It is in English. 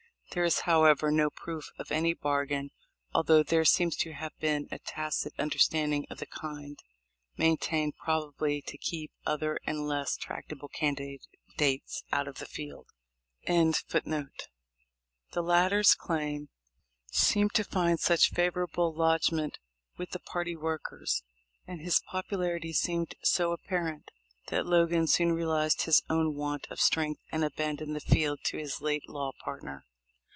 There is, however, no proof of any bargain, although there seems to have been a tacit understanding of the kind — maintained probably to keep other and less tractable candidates out of the field. 2*72 THE LIFE 0F LINCOLN. seemed to find such favorable lodgment with the party workers, and his popularity seemed so appar ent, that Logan soon realized his own want of strength and abandoned the field to his late law partner.